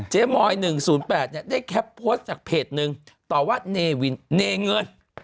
มอย๑๐๘ได้แคปโพสต์จากเพจหนึ่งต่อว่าเนวินเนเงิน